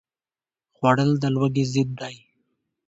خوړل د لوږې ضد دی